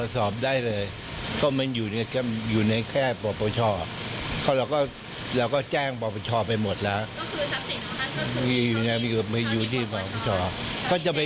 ที่หัวสถาปัญหาโทรนำเสนอข่าว